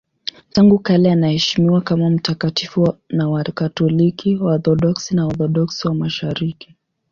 Tangu kale anaheshimiwa kama mtakatifu na Wakatoliki, Waorthodoksi na Waorthodoksi wa Mashariki.